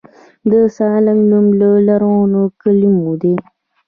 د سالنګ نوم له لرغونو کلمو دی